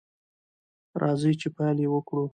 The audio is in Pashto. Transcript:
راځئ چې پیل یې کړو.